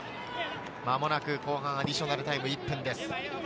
間もなく後半アディショナルタイム１分です。